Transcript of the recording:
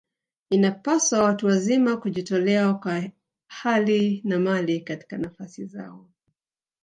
Inapaswa watu wazima kujitolea kwa hali na mali katika nafasi zao